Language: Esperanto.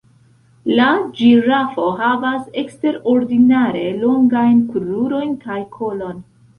La ĝirafo havas eksterordinare longajn krurojn kaj kolon.